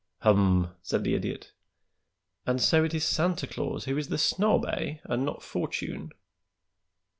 "Hum!" said the Idiot. "And so it is Santa Claus who is the snob, eh, and not Fortune?"